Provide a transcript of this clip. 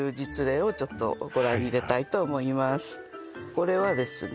これはですね